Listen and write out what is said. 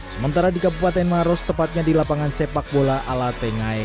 sementara di kabupaten maros tepatnya di lapangan sepak bola ala tengai